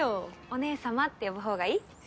お姉さまって呼ぶほうがいい？